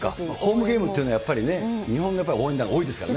ホームゲームっていうのは、日本のやっぱり応援団が多いですからね。